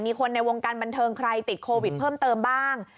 คนในวงการบันเทิงใครติดโควิดเพิ่มเติมบ้าง